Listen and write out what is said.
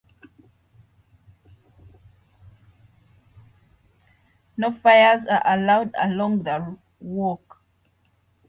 No fires are allowed along the walk.